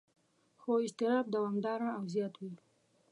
خو اضطراب دوامداره او زیات وي.